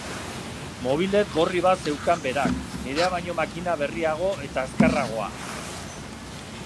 Mobylette gorri bat zeukan berak, nirea baino makina berriago eta azkarragoa.